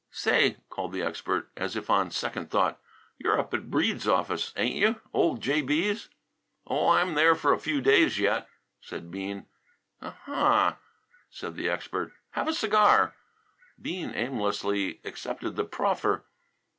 "Say," called the expert, as if on second thought, "you're up at Breede's office, ain't you old J.B.'s?" "Oh, I'm there for a few days yet," said Bean. "Ah, ha!" said the expert. "Have a cigar!" Bean aimlessly accepted the proffer.